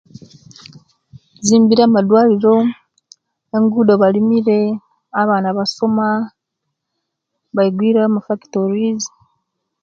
Bazimbire amaduwaliro, engudo balimire, abaana basoma, baiguwire wo amafactories